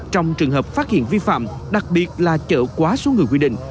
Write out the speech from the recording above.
trong trường hợp phát hiện vi phạm đặc biệt là chở quá số người quy định